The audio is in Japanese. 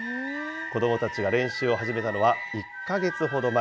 子どもたちが練習を始めたのは１か月ほど前。